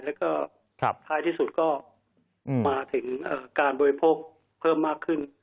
แล้วก็ท้ายที่สุดก็มาถึงการบริโภคเพิ่มมากขึ้น